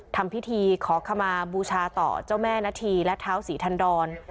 ทำพิธีขอขมาบูชาต่อเจ้าแม่นาธีและเท้าศรีทันดร